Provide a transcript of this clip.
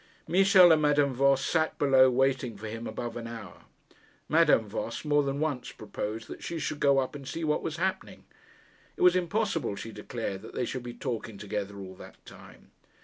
Michel and Madame Voss sat below waiting for him above an hour. Madame Voss more than once proposed that she should go up and see what was happening. It was impossible, she declared, that they should be talking together all that time.